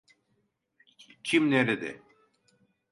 Kim nerede?